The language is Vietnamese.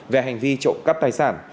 về hành vi trộm cắp tài sản